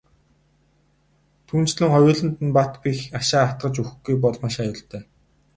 Түүнчлэн хоёуланд нь бат бэх хашаа хатгаж өгөхгүй бол маш аюултай.